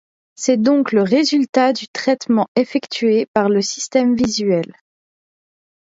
C'est donc le résultat du traitement effectué par le système visuel.